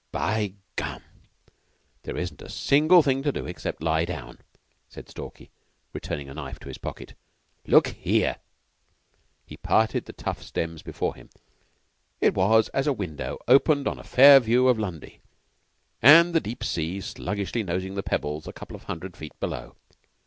"By gum! There isn't a single thing to do except lie down," said Stalky, returning a knife to his pocket. "Look here!" He parted the tough stems before him, and it was as a window opened on a far view of Lundy, and the deep sea sluggishly nosing the pebbles a couple of hundred feet below.